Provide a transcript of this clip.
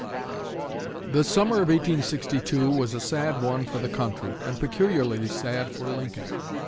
The summer of 1862 was a sad one for the country, and peculiarly sad for Lincoln.